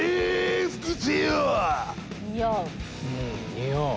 似合う。